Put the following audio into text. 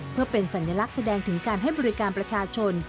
เพื่อเป็นสัญลักษณ์แสดงถึงการให้บริการประชาชน